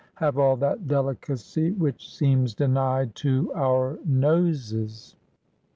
—have all that delicacy which seems denied to our noses.